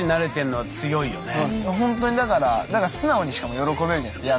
ほんとにだからなんか素直にしかも喜べるじゃないですか。